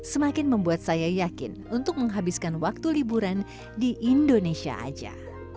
semakin membuat saya yakin untuk menghabiskan waktu liburan di indonesia aja